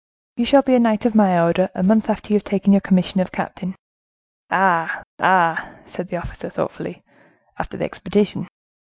"You shall be a knight of my order a month after you have taken your commission of captain." "Ah! ah!" said the officer, thoughtfully, "after the expedition."